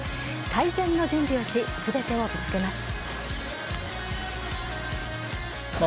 最善の準備をし全てをぶつけます。